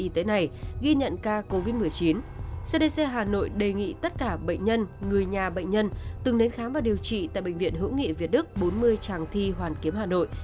trưa ngày một tháng một mươi trung tâm kiểm soát bệnh viện hữu nghị việt đức bốn mươi trang thi hoàn kiếm hà nội